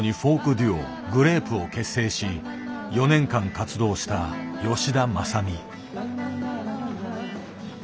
デュオ「グレープ」を結成し４年間活動した吉田政美。